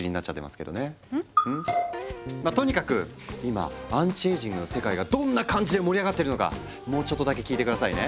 まあとにかく今アンチエイジングの世界がどんな感じで盛り上がってるのかもうちょっとだけ聞いて下さいね。